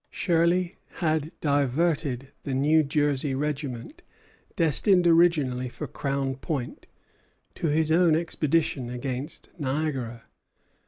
Shirley had diverted the New Jersey regiment, destined originally for Crown Point, to his own expedition against Niagara.